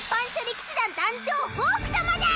騎士団団長ホーク様だ！